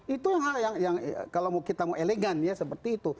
itu yang kalau kita mau elegan ya seperti itu